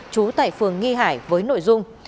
chú tại phường nghi hải với nội dung